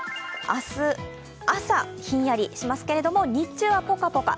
明日、朝ひんやりしますけど日中はポカポカ。